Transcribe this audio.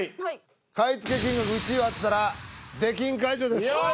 買い付け金額１位を当てたら出禁解除です